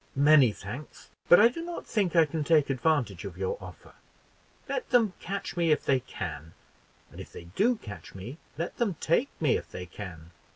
"Many thanks; but I do not think I can take advantage of your offer. Let them catch me if they can, and if they do catch me, let them take me if they can."